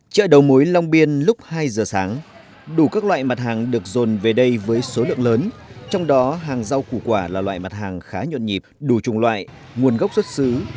chợ đầu mối long biên lúc hai giờ sáng đủ các loại mặt hàng được dồn về đây với số lượng lớn trong đó hàng rau củ quả là loại mặt hàng khá nhuận nhịp đủ trùng loại nguồn gốc xuất xứ